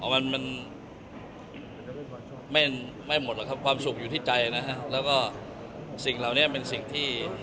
มันมันไม่หมดหรอกครับความสุขอยู่ที่ใจนะฮะแล้วก็สิ่งเหล่านี้เป็นสิ่งที่